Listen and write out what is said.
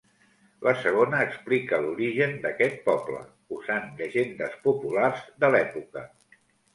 La segona explica l'origen d'aquest poble, usant llegendes populars de l'època.